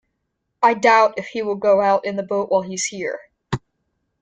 I doubt if he will go out in the boat while he is here.